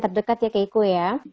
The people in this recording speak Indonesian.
terdekat ya keiko ya